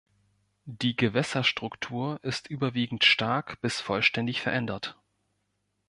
Die Gewässerstruktur ist überwiegend stark bis vollständig verändert.